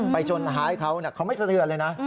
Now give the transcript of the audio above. ไปจนฮายเขาก็เค้าไม่เสนเหินเลยนะ